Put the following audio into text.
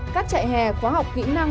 các trại hè khóa học kỹ năng